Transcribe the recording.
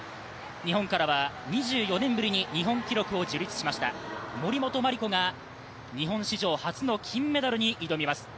日本からは２４年ぶりに日本記録を樹立しました森本麻里子が日本史上初の金メダルに挑みます。